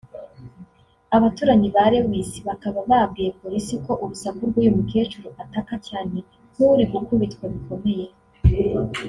Abaturanyi ba Lewis bakaba babwiye polisi ko urusaku rw’uyu mukecuru ataka cyane nk’uri gukubitwa bikomeye